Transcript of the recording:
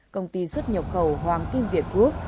công ty xuất nhập khẩu hoàng kim việt group